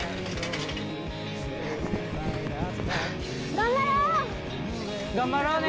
頑張ろうね！